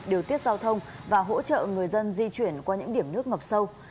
điều tiết giao thông và hỗ trợ người dân di chuyển qua những điểm nước ngập sâu